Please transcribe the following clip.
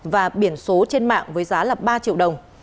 và biển số campuchia là màu trắng